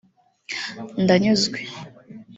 Ndanyuzwe